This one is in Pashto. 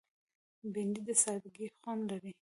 بېنډۍ د سادګۍ خوند لري